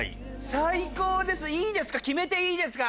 最高ですいいですか。